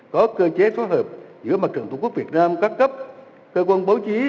có cơ chế phối hợp giữa mặt trận tqvn các cấp cơ quan báo chí